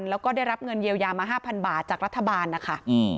แล้วก็ได้รับเงินเยียวยามา๕๐๐บาทจากรัฐบาลนะคะ